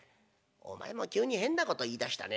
「お前も急に変なこと言いだしたね。